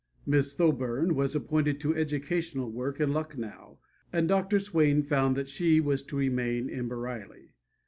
Miss Thoburn was appointed to educational work in Lucknow, and Dr. Swain found that she was to remain in Bareilly.